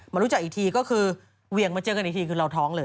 รู้จักอีกทีก็คือเวียงมาเจอกันอีกทีคือเราท้องเลย